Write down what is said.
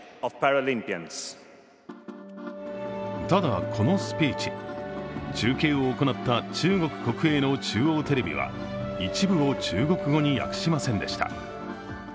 ただ、このスピーチ、中継を行った中国国営の中央テレビは一部を中国語に訳しませんでした。